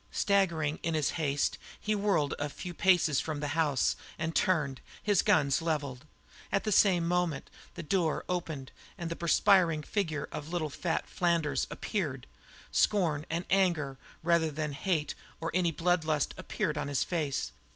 Staggering in his haste, he whirled a few paces from the house and turned, his guns levelled. At the same moment the door opened and the perspiring figure of little fat Flanders appeared. Scorn and anger rather than hate or any bloodlust appeared in his face.